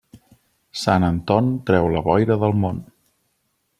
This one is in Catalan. Sant Anton treu la boira del món.